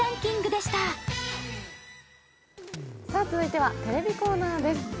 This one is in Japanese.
続いてはテレビコーナーです。